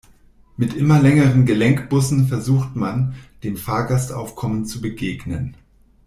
Mit immer längeren Gelenkbussen versucht man, dem Fahrgastaufkommen zu begegnen.